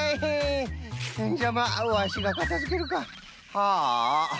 んじゃまあワシがかたづけるか。はああ。